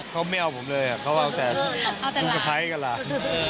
เขาไม่เอาผมเลยเขาเอาแต่ลูกกระไพกับหลาน